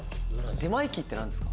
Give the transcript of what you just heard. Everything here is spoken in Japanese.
出前機って何ですか？